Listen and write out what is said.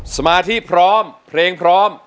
สมาธิพร้อมเพลงพร้อม